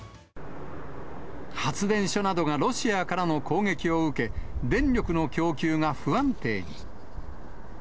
発電所などがロシアからの攻撃を受け、電力の供給が不安定に。